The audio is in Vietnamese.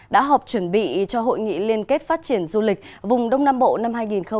đã họp chuẩn bị cho hội nghị liên kết phát triển du lịch vùng đông nam bộ năm hai nghìn hai mươi